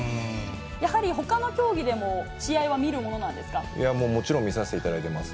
やはり、ほかの競技でも試合もう、もちろん見させていただいています。